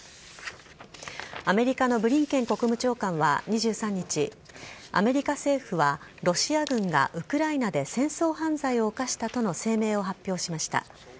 アメリカのブリンケン国務長官は２３日アメリカ政府はロシア軍がウクライナで戦争犯罪を犯したとの声明を発表しました。